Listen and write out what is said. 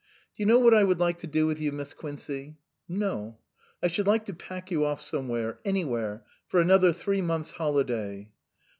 " Do you know what I would like to do with you, Miss Quincey ?" "No." " I should like to pack you off somewhere anywhere for another three months' holiday."